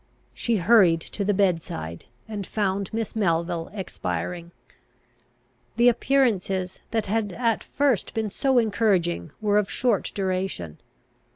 She hurried to the bed side, and found Miss Melville expiring. The appearances that had at first been so encouraging were of short duration.